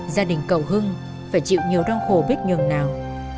gia đình cầu hưng phải chịu nhiều đau khổ biết nhường nào